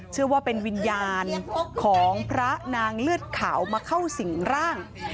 เชื่อว่าเป็นวิญญาณของพระนางเลือดขาวมาเข้าสิ่งร่าง